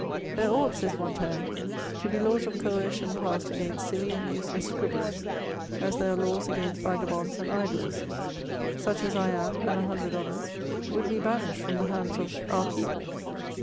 "There ought," says Montaigne, "to be laws of coercion passed against silly and useless scribhlerSy as there are laws against vagabonds and idlers. Such as I am, and a hundred others, would be banished from the hands of our people.